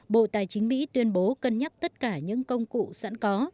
bộ tài chính mỹ tuyên bố cân nhắc tất cả những công cụ sẵn có